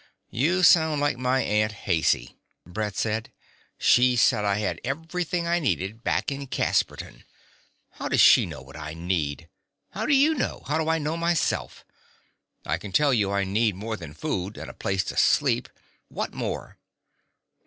"You sound like my Aunt Haicey," Brett said. "She said I had everything I needed back in Casperton. How does she know what I need? How do you know? How do I know myself? I can tell you I need more than food and a place to sleep " "What more?"